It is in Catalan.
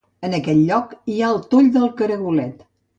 En aquell lloc hi ha el Toll del Caragolet.